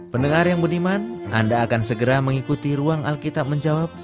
pendengar yang budiman anda akan segera mengikuti ruang alkitab menjawab